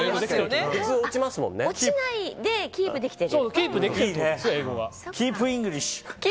落ちないでキープはできてる。